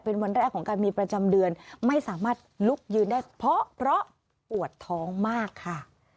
เป็นวันแรกของการมีประจำเดือนไม่สามารถลุกยืนได้เพราะปวดท้องมากค่ะ